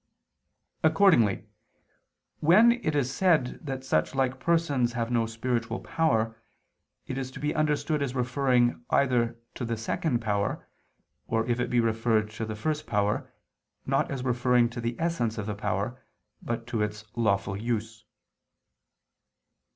Accordingly when it is said that such like persons have no spiritual power, it is to be understood as referring either to the second power, or if it be referred to the first power, not as referring to the essence of the power, but to its lawful use.